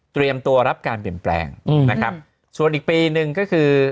ตัวรับการเปลี่ยนแปลงนะครับส่วนอีกปีหนึ่งก็คือ